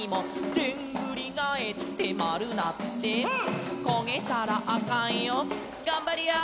「でんぐりがえってまるなって」「こげたらあかんよがんばりやー」